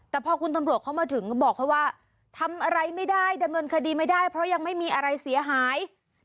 แต่พอคุณตำรวจเข้ามาถึงก็บอกเขาว่าทำอะไรไม่ได้ดำเนินคดีไม่ได้เพราะยังไม่มีอะไรเสียหาย